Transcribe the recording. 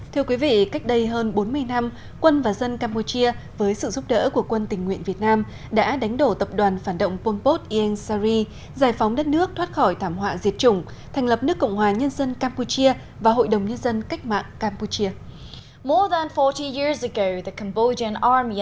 thưa quý vị cách đây hơn bốn mươi năm quân và dân campuchia với sự giúp đỡ của quân tình nguyện việt nam đã đánh đổ tập đoàn phản động pompot iang sari giải phóng đất nước thoát khỏi thảm họa diệt chủng thành lập nước cộng hòa nhân dân campuchia và hội đồng nhân dân cách mạng campuchia